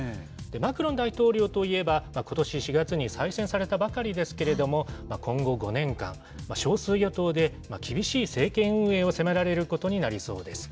マクロン大統領といえば、ことし４月に再選されたばかりですけれども、今後５年間、少数与党で厳しい政権運営を迫られることになりそうです。